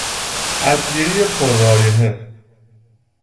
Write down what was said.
ادویهی پر رایحه